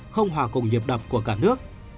không hòa cùng nhiệm đập của cả nước